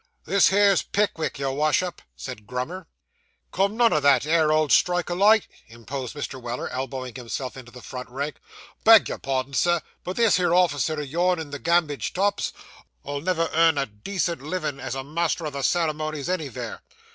'This here's Pickvick, your Wash up,' said Grummer. 'Come, none o' that 'ere, old Strike a light,' interposed Mr. Weller, elbowing himself into the front rank. 'Beg your pardon, sir, but this here officer o' yourn in the gambooge tops, 'ull never earn a decent livin' as a master o' the ceremonies any vere.